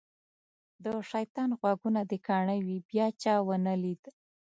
د شیطان غوږونه دې کاڼه وي بیا چا ونه لید.